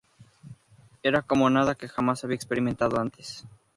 Era como nada que jamás había experimentado antes.